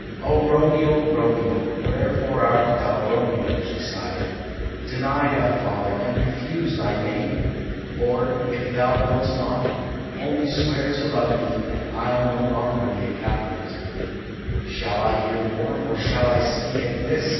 "O Romeo, Romeo! Wherefore art thou Romeo?" she sighed. "Deny thy father, and refuse thy name. Or, if thou wilt not, only swear to love me, and I'll no longer be a Capulet." "Shall I hear more, or shall I speak at this?"